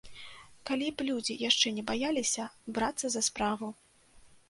Калі б людзі яшчэ не баяліся брацца за справу.